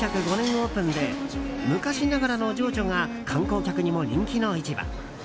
オープンで昔ながらの情緒が観光客にも人気の市場。